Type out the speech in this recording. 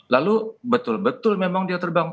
lalu betul betul memang dia terbang